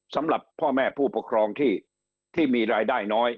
สำหรับพ่อแม่ผู้ปกครองที่มีรายได้น้อย